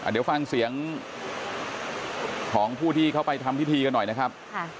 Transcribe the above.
เดี๋ยวฟังเสียงของผู้ที่เข้าไปทำพิธีกันหน่อยนะครับ